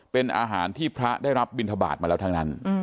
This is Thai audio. เป็นอาหารที่พระได้รับบินทบาทมาแล้วทั้งนั้น